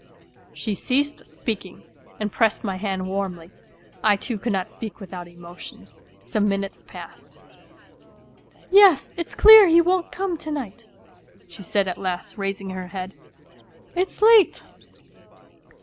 '" She ceased speaking, and pressed my hand warmly. I too could not speak without emotion. Some minutes passed. " Yes, it's clear he won't come to night," she said at last raising her head. " It's late."